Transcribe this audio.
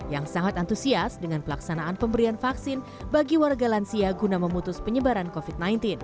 yang sangat antusias dengan pelaksanaan pemberian vaksin bagi warga lansia guna memutus penyebaran covid sembilan belas